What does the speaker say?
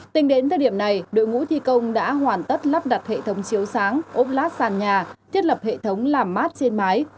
tính đến thời điểm này đội ngũ thi công đã hoàn tất lắp đặt hệ thống chiếu sáng ốp lát sàn nhà thiết lập hệ thống làm mát trên mái